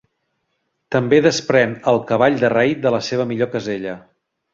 També desprèn al cavall de rei de la seva millor casella.